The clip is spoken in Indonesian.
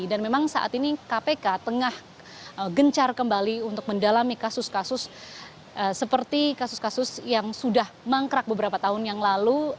dan memang saat ini kpk tengah gencar kembali untuk mendalami kasus kasus seperti kasus kasus yang sudah mangkrak beberapa tahun yang lalu